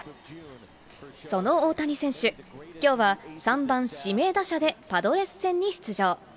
その大谷選手、きょうは、３番指名打者でパドレス戦に出場。